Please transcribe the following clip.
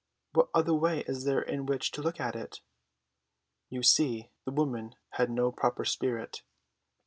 "What other way is there in which to look at it?" You see, the woman had no proper spirit.